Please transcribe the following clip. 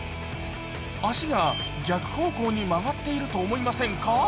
足が逆方向に曲がっていると思いませんか？